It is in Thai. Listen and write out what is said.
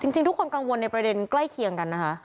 จริงทุกคนกังวลในประเด็นใกล้เคียงกันนะคะ